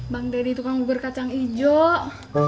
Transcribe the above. bang deddy tukang bubur kacang hijau